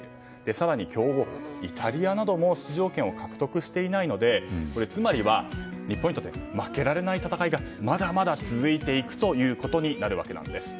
更に、強豪イタリアなども出場権を獲得していないのでつまりは日本にとっては負けられない戦いがまだまだ続いていくということになるわけなんです。